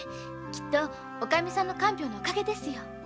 きっとオカミさんの看病のお陰ですよ。